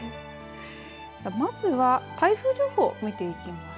さあ、まずは台風情報を見ていきます。